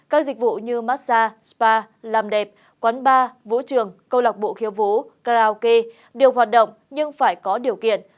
các dịch vụ như massage spa làm đẹp quán bar vũ trường câu lạc bộ khiêu vũ karaoke đều hoạt động nhưng phải có điều kiện